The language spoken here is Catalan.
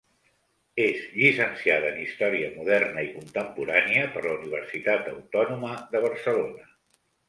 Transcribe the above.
És llicenciada en Història Moderna i Contemporània per la Universitat Autònoma de Barcelona.